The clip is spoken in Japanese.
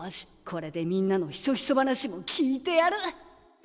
これでみんなのひそひそ話も聞いてやる！